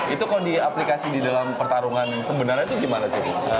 itu kalau di aplikasi di dalam pertarungan sebenarnya itu gimana sih